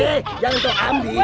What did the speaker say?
eh jangan toh ambil